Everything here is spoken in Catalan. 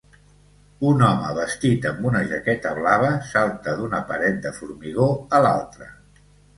Un home vestit amb una jaqueta blava salta d'una paret de formigó a l'altra.